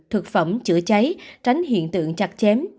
thực phẩm chữa cháy tránh hiện tượng chặt chém